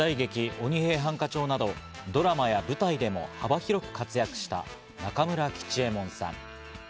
『鬼平犯科帳』などドラマや舞台でも幅広く活躍した中村吉右衛門さん。